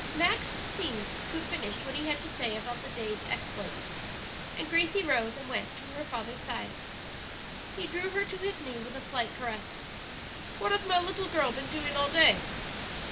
Max seemed to have finished what he had to say about the day's exploits, and Gracie rose and went to her father's side. He drew her to his knee with a slight caress. "What has my little girl been doing all day?"